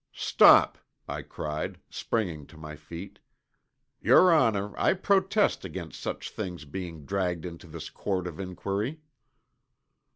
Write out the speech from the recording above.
"Stop!" I cried, springing to my feet. "Your honor, I protest against such things being dragged into this court of inquiry!"